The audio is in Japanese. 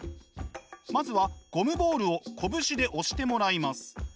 まずはゴムボールを拳で押してもらいます。